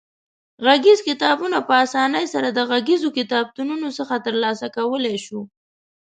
غږیز کتابونه په اسانۍ سره د غږیزو کتابتونونو څخه ترلاسه کولای شو.